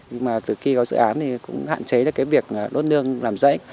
nhưng mà từ khi có dự án thì cũng hạn chế được cái việc đốt nương làm rẫy